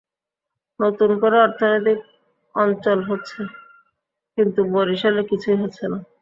নতুন করে অর্থনৈতিক অঞ্চল হচ্ছে, কিন্তু বরিশালে কিছুই হচ্ছে না।